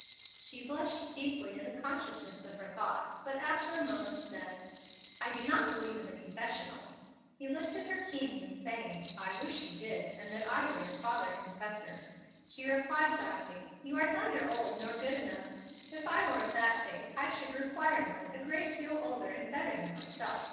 She blushed deeply in the consciousness of her thoughts, but after a moment said, "I do not believe in the confessional." He looked at her keenly, saying, "I wish you did and that I were your father confessor." She replied, laughing, "You are neither old nor good enough. If I were of that faith I should require one a great deal older and better than myself.